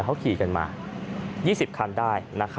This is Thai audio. เขาขี่กันมา๒๐คันได้